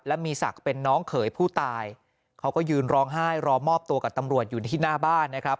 และมีศักดิ์เป็นน้องเขยผู้ตายเขาก็ยืนร้องไห้รอมอบตัวกับตำรวจอยู่ที่หน้าบ้านนะครับ